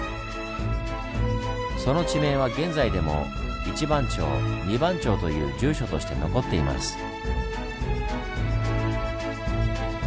その地名は現在でも一番町二番町という住所として残っています。